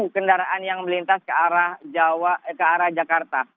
kendaraan yang melintas ke arah jakarta